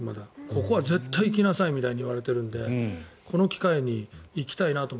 ここは絶対に行きなさいみたいに言われているのでこの機会に行きたいなと。